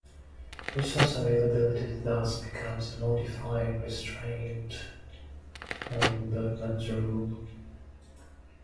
Resource availability thus becomes a modifying restraint on Bergmann's Rule.